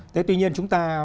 tuy nhiên chúng ta